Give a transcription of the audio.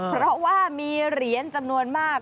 เพราะว่ามีเหรียญจำนวนมาก